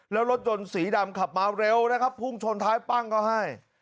แล้วรถยนต์สีดำขับมาเร็วนะครับพุ่งชนท้ายปั้งเขาให้